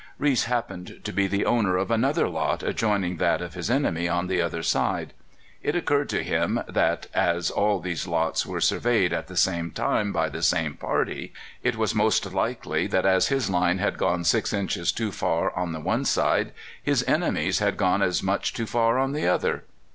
Reese happened to be the owner of another lot adjoining that of his enemy, on the other side. It occurred to him that, as all these lots were sur veyed at the same time by the same party, it was most likely that as his line had gone six inches too far on the one side, his enemy's had gone as much too far on the other.